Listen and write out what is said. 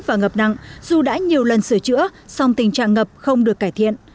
và ngập nặng dù đã nhiều lần sửa chữa song tình trạng ngập không được cải thiện